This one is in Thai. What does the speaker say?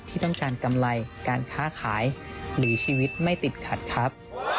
ที่ต้องการกำไรการค้าขายหรือชีวิตไม่ติดขัดครับ